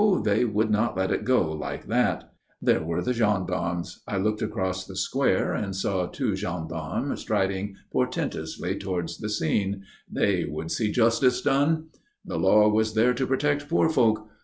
They would not let it go like that. There were the gendarmes I looked across the square and saw two gendarmes striding portentously towards the scene they would see justice done. The law was there to protect poor folk.